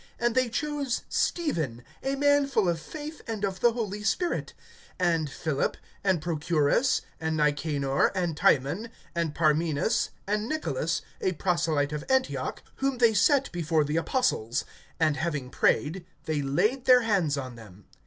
And they chose Stephen, a man full of faith and of the Holy Spirit, and Philip, and Prochorus, and Nicanor, and Timon, and Parmenas, and Nicolas a proselyte of Antioch, (6)whom they set before the apostles; and having prayed, they laid their hands on them.